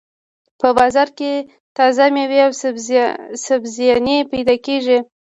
په بازار کې تازه مېوې او سبزيانې پیدا کېږي.